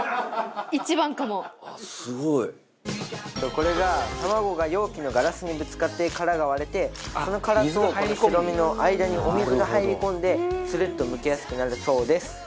これが卵が容器のガラスにぶつかって殻が割れてその殻と白身の間にお水が入り込んでツルッとむけやすくなるそうです。